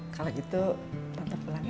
kalau gitu tante pulang ya